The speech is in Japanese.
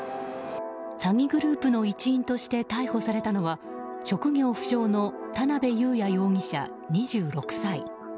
詐欺グループの一員として逮捕されたのは職業不詳の田辺佑弥容疑者、２６歳。